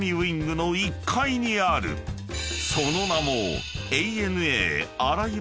［その名も］